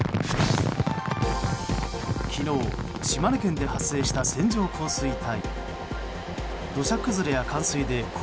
昨日、島根県で発生した線状降水帯。